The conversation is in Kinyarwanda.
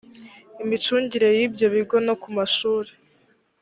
imicungire y ibyo bigo no ku mashuri